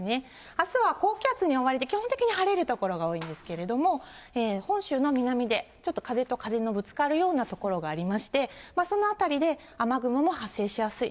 あすは高気圧に覆われて、基本的に晴れる所が多いんですけれども、本州の南で、ちょっと風と風のぶつかるような所がありまして、そのあたりで、雨雲も発生しやすい。